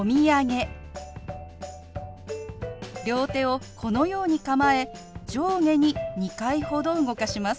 両手をこのように構え上下に２回ほど動かします。